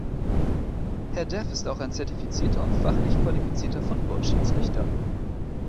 Herr Dev ist auch ein zertifizierter und fachlich qualifizierter Football-Schiedsrichter.